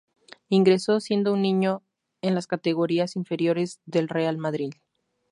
Ingresó siendo un niño en las categorías inferiores del Real Madrid.